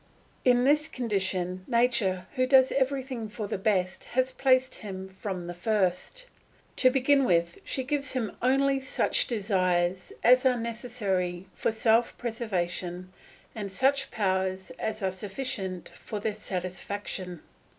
In this condition, nature, who does everything for the best, has placed him from the first. To begin with, she gives him only such desires as are necessary for self preservation and such powers as are sufficient for their satisfaction.